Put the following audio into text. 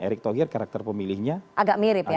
erick thogir karakter pemilihnya agak mirip ya